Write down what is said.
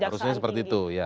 harusnya seperti itu ya